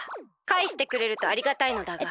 かえしてくれるとありがたいのだが。